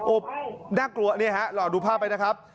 โอ้โหน่ากลัวเนี่ยฮะรอดูภาพไปนะครับ